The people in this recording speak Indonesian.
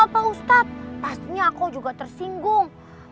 pastinya aku juga tersinggung